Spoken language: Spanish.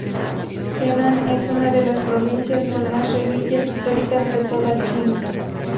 Henan es una de las provincias con más reliquias históricas de toda China.